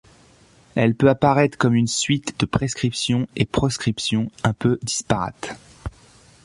Elle peut apparaître comme une suite de prescriptions et proscriptions un peu disparates.